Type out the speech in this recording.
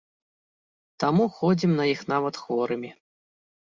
Таму ходзім на іх нават хворымі.